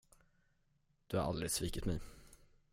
Du har aldrig svikit mig.